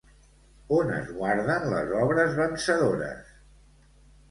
On es guarden les obres vencedores?